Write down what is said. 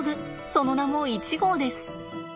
その名も１号です。